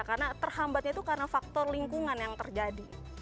karena terhambatnya itu karena faktor lingkungan yang terjadi